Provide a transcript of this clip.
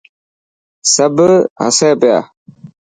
سب هي پيا.